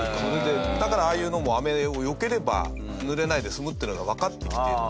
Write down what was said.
だから、ああいうのも雨を避ければ濡れないで済むっていうのがわかってきている。